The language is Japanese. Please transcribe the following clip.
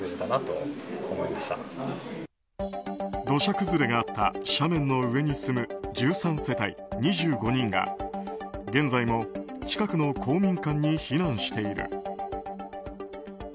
土砂崩れがあった斜面の上に住む１３世帯２５人が、現在も近くの公民館に避難している。